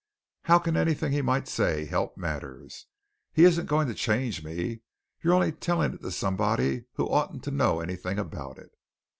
How can anything he might say help matters? He isn't going to change me. You're only telling it to somebody who oughtn't to know anything about it."